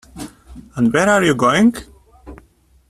And where are you going?